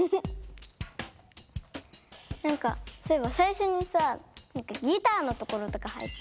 なんかそういえば最初にさギターのところとか入ってた。